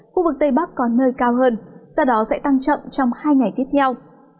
khu vực tây bắc còn nơi cao hơn do đó sẽ tăng chậm trong hai ngày tiếp theo